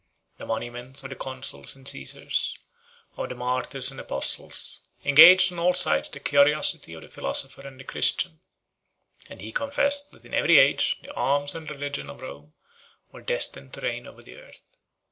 The monuments of the consuls and Cæsars, of the martyrs and apostles, engaged on all sides the curiosity of the philosopher and the Christian; and he confessed that in every age the arms and the religion of Rome were destined to reign over the earth.